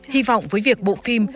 hy vọng với việc bộ phim